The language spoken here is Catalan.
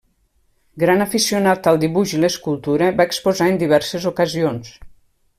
Gran aficionat al dibuix i l'escultura, va exposar en diverses ocasions.